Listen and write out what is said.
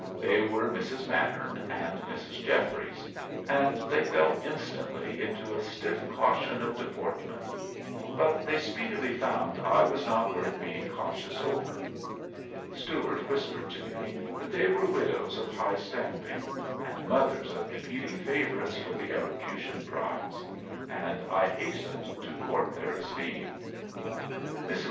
They were Mrs. Mattern and Mrs. Jeffries, and they fell instantly into a stiff caution of deportment; but they speedily found I was not worth being cautious over. Stuart whispered to me that they were widows of high standing, and mothers of competing favorites for the elocution prize; and I hastened to court their esteem. Mrs.